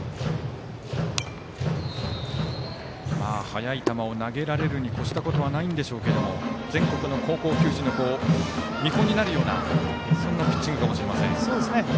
速い球を投げられるにこしたことはないんでしょうけど全国の高校球児の見本になるようなそんなピッチングかもしれません。